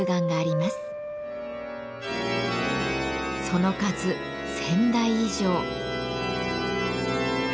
その数１，０００台以上。